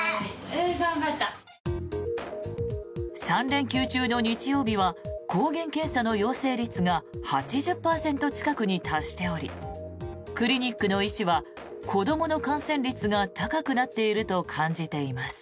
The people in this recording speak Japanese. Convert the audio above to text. ３連休中の日曜日は抗原検査の陽性率が８０％近くに達しておりクリニックの医師は子どもの感染率が高くなっていると感じています。